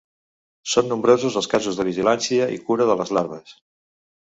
Són nombrosos els casos de vigilància i cura de les larves.